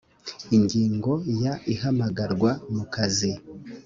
ingingo ya ihamagarwa mu kazi